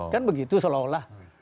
kan begitu seolah olah